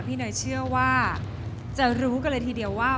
เนยเชื่อว่าจะรู้กันเลยทีเดียวว่า